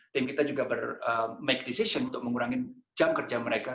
tim kita juga bermake decision untuk mengurangi jam kerja mereka